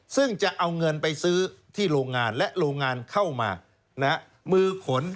ซึ่งจะเอาเงินไปซื้อที่โรงงานและโรงงานเข้ามามือขน